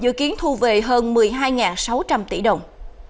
dự kiến thu về hơn một mươi hai sáu trăm linh tỷ đồng